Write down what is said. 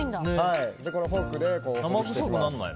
このフォークでほぐしていきます。